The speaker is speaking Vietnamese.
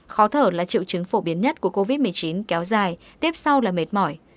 khó thở là triệu chứng phổ biến nhất của covid một mươi chín kéo dài tiếp sau là mệt mỏi